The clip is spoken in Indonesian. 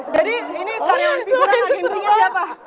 jadi ini karyawan figurannya agensinya siapa